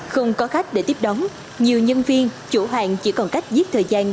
không có khách để tiếp đón nhiều nhân viên chủ hàng chỉ còn cách giết thời gian